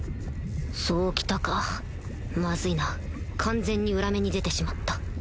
そう来たかマズいな完全に裏目に出てしまった